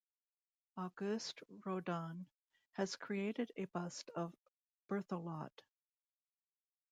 Auguste Rodin has created a bust of Berthelot.